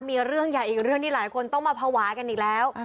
มีเรื่องใหญ่อีกเรื่องที่หลายคนต้องมาภาวะกันอีกแล้ว